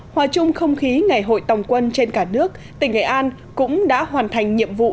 hòa chung không khí ngày hội tòng quân trên cả nước tỉnh nghệ an cũng đã hoàn thành nhiệm vụ